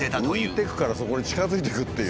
浮いていくからそこに近づいていくっていう。